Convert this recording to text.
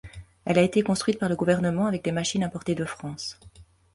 Elle a été construite par le gouvernement avec des machines importées de France.